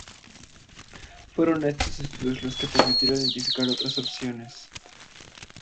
Fueron estos estudios los que permitieron identificar otras opciones.